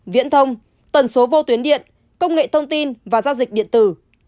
viễn thông tần số vô tuyến điện công nghệ thông tin và giao dịch điện tử